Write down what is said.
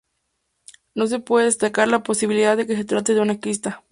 No se puede descartar la posibilidad de que se trate de una cista.